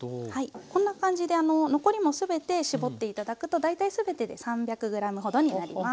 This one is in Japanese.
こんな感じで残りも全て絞って頂くと大体全てで３００ｇほどになります。